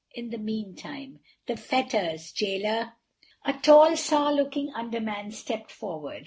In the meantime ... the fetters, Jailer." A tall sour looking Under man stepped forward.